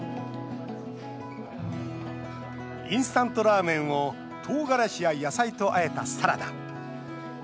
インスタントラーメンをとうがらしや野菜とあえたサラダ。